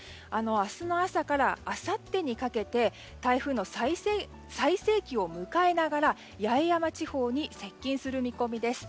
明日の朝からあさってにかけて台風の最盛期を迎えながら八重山地方に接近する見込みです。